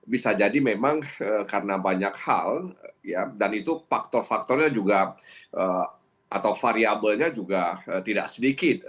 bisa jadi memang karena banyak hal dan itu faktor faktornya juga atau variabelnya juga tidak sedikit